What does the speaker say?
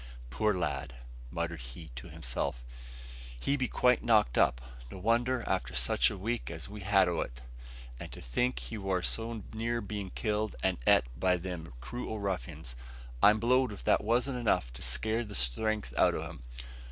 "Poor lad!" muttered he to himself; "he be quite knocked up. No wonder, after such a week as we've had o't. And to think he war so near bein' killed and ate by them crew o' ruffians. I'm blowed if that wasn't enough to scare the strength out o' him!